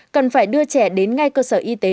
cần phải đưa trẻ đến ngay cơ sở y tế